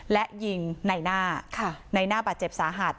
และยิงนายน่านายน่าบาดเจ็บสาหัส